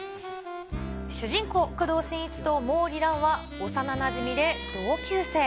主人公、工藤新一と毛利蘭は幼なじみで同級生。